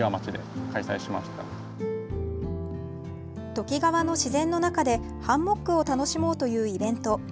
ときがわの自然の中でハンモックを楽しもうというイベント。